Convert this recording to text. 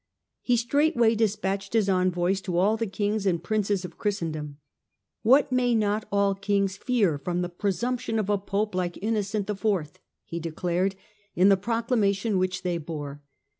He straightway despatched his envoys to all the Kings and Princes of Christendom. " What may not all Kings fear from the presumption of a Pope like Innocent the Fourth ?" he declared, in the proclamation which they bore.